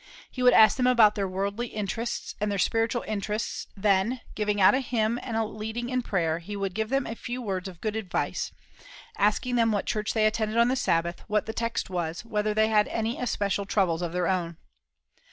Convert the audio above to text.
He would ask them about their worldly interests and their spiritual interests, then giving out a hymn and leading in prayer he would give them a few words of good advice, asking them what church they attended on the Sabbath, what the text was, whether they had any especial troubles of their own.